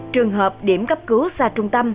trường hợp điểm cấp cứu xa trung tâm